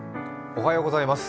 おはようございます。